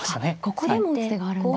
ここでも打つ手があるんですね。